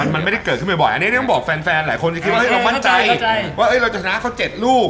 มันไม่ได้เกิดขึ้นบ่อยอันนี้เนี่ยนี่ต้องบอกแฟนหลายคนจะคิดแบบคิดว่าเราจะชนะเขา๗ลูก